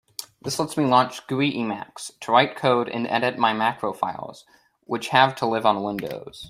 This lets me launch GUI Emacs to write code and edit my macro files which have to live on Windows.